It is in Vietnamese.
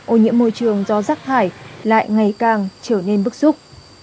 ô nhiễm môi trường do rác thải lại ngày càng trở nên bức xúc